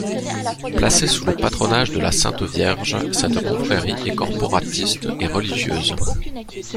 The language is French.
Placée sous le patronage de la Sainte-Vierge, cette confrérie est corporatiste et religieuse.